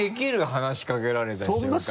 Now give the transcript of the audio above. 話しかけられた瞬間に。